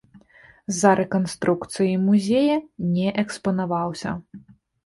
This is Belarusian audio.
З-за рэканструкцыі музея не экспанаваўся.